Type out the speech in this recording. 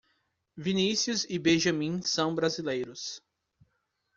Vinícius e Benjamim são Brasileiros.